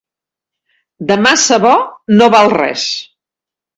De massa bo, no val res.